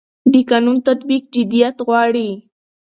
د قانون تطبیق جديت غواړي